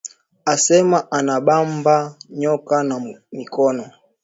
Asema ana bamba nyoka na mikono